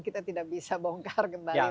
kita tidak bisa bongkar kembali